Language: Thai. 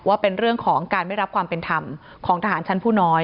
ว่าเป็นเรื่องของการไม่รับความเป็นธรรมของทหารชั้นผู้น้อย